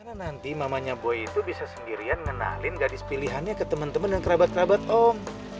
karena nanti mamanya boy itu bisa sendirian ngenalin gadis pilihannya ke temen temen dan kerabat kerabat om